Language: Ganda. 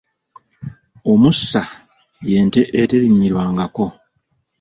Omusa y'ente eterinnyirwangako.